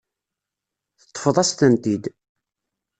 Teṭṭfeḍ-as-tent-id.